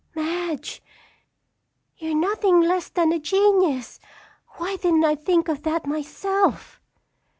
"Madge, you're nothing less than a genius! Why didn't I think of that myself?"